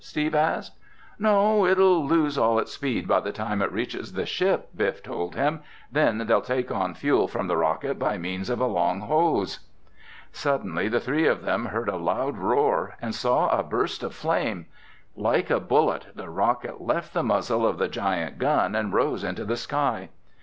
Steve asked. "No, it'll lose all its speed by the time it reaches the ship," Biff told him. "Then they'll take on fuel from the rocket by means of a long hose." Suddenly the three of them heard a loud roar and saw a burst of flame. Like a bullet, the rocket left the muzzle of the giant gun and rose into the sky.